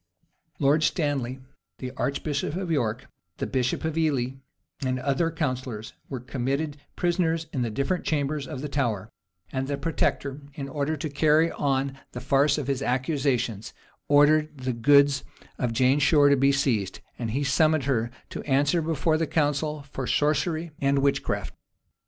Lord Stanley, the archbishop of York, the bishop of Ely, and other counsellors, were committed prisoners in different chambers of the Tower; and the protector, in order to carry on the farce of his accusations, ordered the goods of Jane Shore to be seized; and he summoned her to answer before the council for sorcery and witchcraft.